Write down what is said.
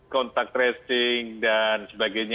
contact tracing dan sebagainya